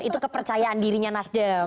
itu kepercayaan dirinya nas dem